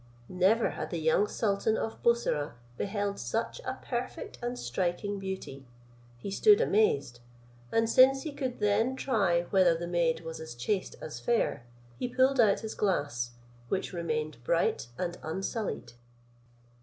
Never had the young sultan of Bussorah beheld such a perfect and striking beauty. He stood amazed; and since he could then try whether the maid was as chaste as fair, he pulled out his glass, which remained bright and unsullied.